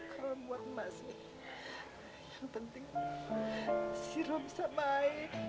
kalau buat emak sih yang penting siroh bisa baik